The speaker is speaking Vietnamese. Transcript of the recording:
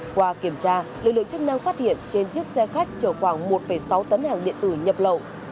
qua kiểm tra lực lượng chức năng phát hiện trên chiếc xe khách chở khoảng một sáu tấn hàng điện tử nhập lậu